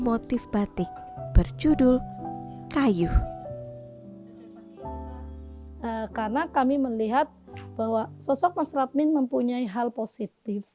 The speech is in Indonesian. motif batik berjudul kayu karena kami melihat bahwa sosok mas radmin mempunyai hal positif